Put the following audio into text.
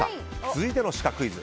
続いてのシカクイズ